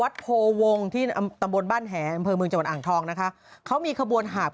เออดูสิมันทำเป็นพูดเสียเงียนนะ